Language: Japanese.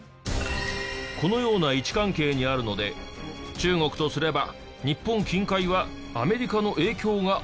このような位置関係にあるので中国とすれば日本近海はアメリカの影響が大きすぎる。